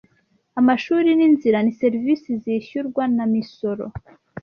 Amashuri ninzira ni serivisi zishyurwa namisoro.